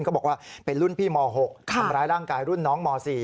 เขาบอกว่าเป็นรุ่นพี่ม๖ทำร้ายร่างกายรุ่นน้องม๔